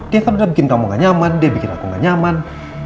dia kan udah bikin kamu gak nyaman dia bikin aku gak nyaman